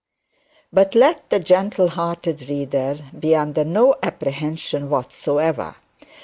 But let the gentle hearted reader be under no apprehension whatsoever.